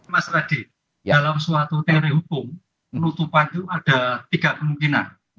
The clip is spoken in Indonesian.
mas radi dalam suatu teori hukum penutupan itu ada tiga kemungkinan